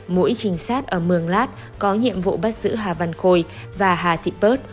mũi trình sát ở mường lát có nhiệm vụ bắt giữ hà văn khôi và hà thị pớt